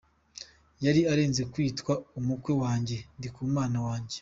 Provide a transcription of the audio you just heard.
Yari arenze kwitwa umukwe wanjye, Ndikumana wanjye…”.